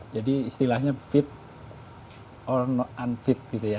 jadi istilahnya fit or unfit gitu ya